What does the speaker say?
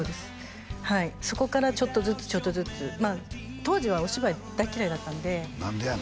そこからちょっとずつちょっとずつまあ当時はお芝居大っ嫌いだったんで何でやの？